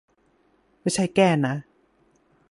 ไม่ใช่แก้นะ